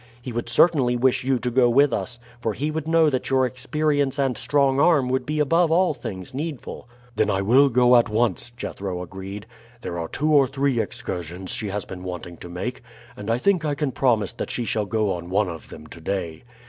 He would certainly wish you to go with us, for he would know that your experience and strong arm would be above all things needful." "Then I will go at once," Jethro agreed. "There are two or three excursions she has been wanting to make, and I think I can promise that she shall go on one of them to day.